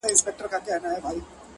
څومره له حباب سره ياري کوي!!